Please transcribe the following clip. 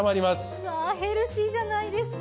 うわヘルシーじゃないですか。